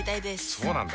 そうなんだ。